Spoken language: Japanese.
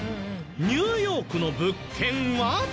ニューヨークの物件は？